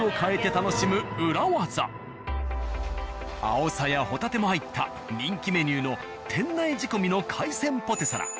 あおさやほたても入った人気メニューの店内仕込の海鮮ポテサラ。